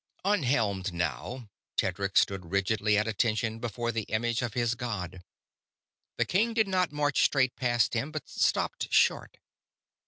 Unhelmed now, Tedric stood rigidly at attention before the image of his god. The king did not march straight past him, but stopped short.